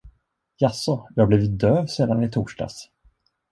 Jaså, du har blivit döv sedan i torsdags?